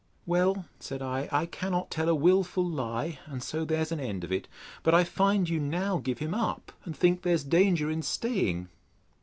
Well, said I, I cannot tell a wilful lie, and so there's an end of it. But I find you now give him up, and think there's danger in staying.